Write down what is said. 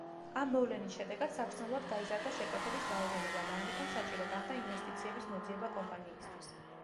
ამ მოვლენის შედეგად საგრძნობლად გაიზარდა შეკვეთების რაოდენობა და ამიტომ საჭირო გახდა ინვესტიციების მოძიება კომპანიისთვის.